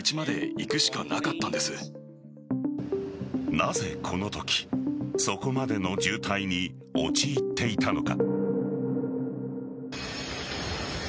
なぜ、このときそこまでの渋滞に陥っていたのか。